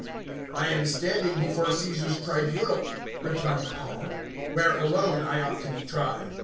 025:010 "I am standing before Caesar's tribunal," replied Paul, "where alone I ought to be tried.